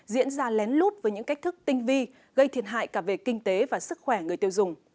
diễn ra lén lút với những cách thức tinh vi gây thiệt hại cả về kinh tế và sức khỏe người tiêu dùng